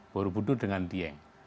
buru budur dengan dieng